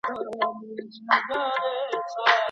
د سیاسي ډیپلوماسۍ په برخه کي د خلګو حقونه نه پیاوړي کیږي.